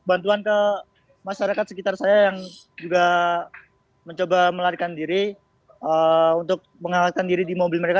bantuan ke masyarakat sekitar saya yang juga mencoba melarikan diri untuk mengawalkan diri di mobil mereka